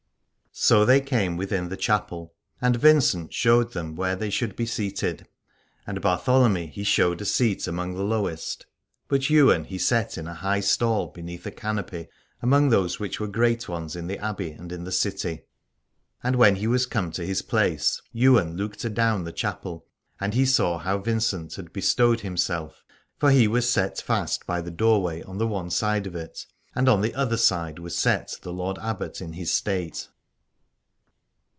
172 Aladore So they came within the chapel, and Vincent showed them where they should be seated. And to Bartholomy he showed a seat among the lowest, but Ywain he set in a high stall beneath a canopy, among those which were great ones in the Abbey and in the city. And when he was come to his place Ywain looked adown the chapel, and he saw how Vincent had bestowed himself: for he was set fast by the doorway, on the one side of it, and on the other side was set the Lord Abbot in his state.